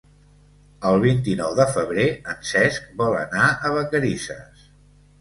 El vint-i-nou de febrer en Cesc vol anar a Vacarisses.